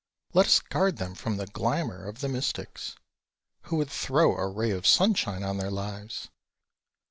Let us guard them from the glamour of the mystics, Who would throw a ray of sunshine on their lives!